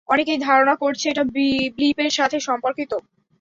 অনেকেই ধারণা করছে এটা ব্লিপের সাথে সম্পর্কিত।